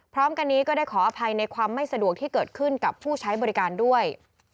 พร้อมกันนี้ก็ได้ขออภัยในความไม่สะดวกที่เกิดขึ้นกับผู้ใช้บริการด้วย